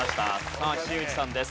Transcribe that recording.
さあ新内さんです。